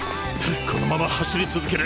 このまま走り続ける。